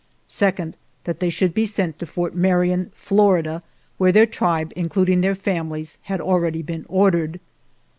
Second, that they should be sent to Fort Marion, Florida, where their tribe, including their families, had already been ordered.